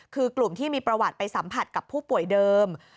คือกลุ่มที่มีประวัติไปสัมผัสกับผู้ป่วยเดิม